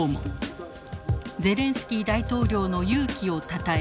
ゼレンスキー大統領の勇気をたたえ